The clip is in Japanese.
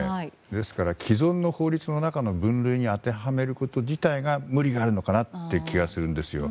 ですから既存の法律の中の分類に当てはめること自体が無理があるのかなという気がするんですよ。